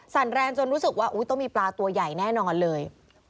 ั่นแรงจนรู้สึกว่าต้องมีปลาตัวใหญ่แน่นอนเลย